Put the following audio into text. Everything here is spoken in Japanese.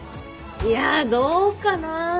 いやどうかな。